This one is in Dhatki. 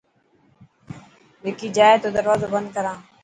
وڪي جائي تو دروازو بند ڪران.